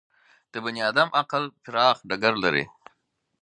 د بني ادم عقل پراخ ډګر لري.